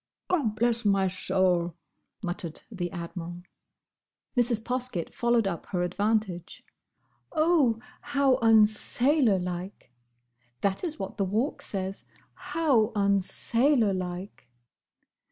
"Gobblessmysoul!" muttered the Admiral. Mrs. Poskett followed up her advantage. "'Oh, how unsailor like!'"—that is what the Walk says: "'How unsailor like!